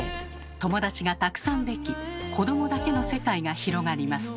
友達がたくさんでき子どもだけの世界が広がります。